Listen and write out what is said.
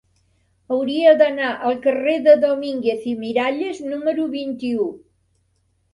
Hauria d'anar al carrer de Domínguez i Miralles número vint-i-u.